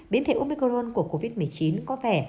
biến thể umicolon của covid một mươi chín có vẻ